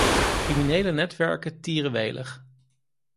Criminele netwerken tieren welig.